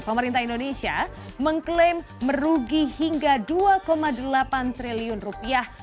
pemerintah indonesia mengklaim merugi hingga dua delapan triliun rupiah